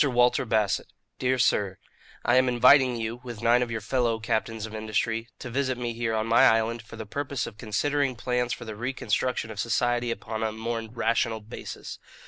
WALTER BASSETT, "DEAR SIR: "I am inviting you, with nine of your fellow captains of industry, to visit me here on my island for the purpose of considering plans for the reconstruction of society upon a more rational basis.